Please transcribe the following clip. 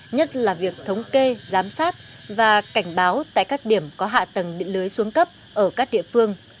nhất là việc thống kê giám sát và cảnh báo tại các điểm có hạ tầng điện lưới xuống cấp ở các địa phương